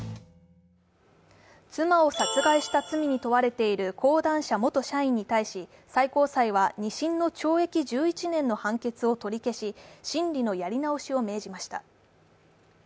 妻を殺害した罪に問われている講談社元社員に対し最高裁は２審の懲役１１年の判決を取り消し審理のやり直しを命じました。